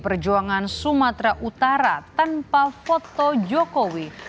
perjuangan sumatera utara tanpa foto jokowi